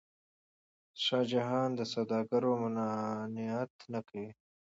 شاه شجاع د سوداګرو ممانعت نه کوي.